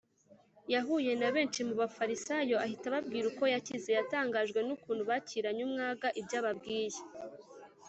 , yahuye na benshi mu Bafarisayo ahita ababwira uko yakize. Yatangajwe n’ukuntu bakiranye umwaga ibyo ababwiye.